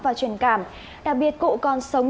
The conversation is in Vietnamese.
và truyền cảm đặc biệt cụ còn sống